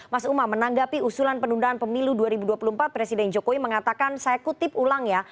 mas umam menanggapi usulan penundaan pemilu dua ribu dua puluh empat presiden jokowi mengatakan saya kutip ulang ya